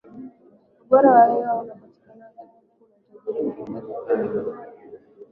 ubora wa hewa umepatikana huku utajiri wa nchi ukiongezeka Hilo